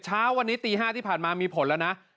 เช้าวันนี้ตี๕ที่ผ่านมามีผลแล้วนะ